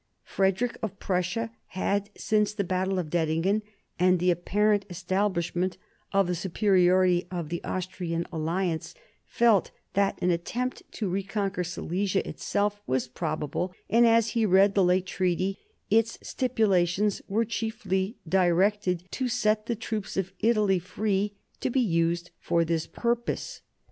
Frederick of Prussia had, since the battle of Dettingen and the apparent establishment of the superiority of the Austrian alliance, felt that an attempt to reconquer Silesia itself was probable; and, as he read the late treaty, its stipula tions were chiefly directed to set the troops of Italy free to be used for this purpose.